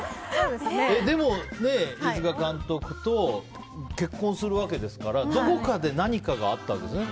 でも飯塚監督と結婚するわけですからどこかで何かあったわけですね。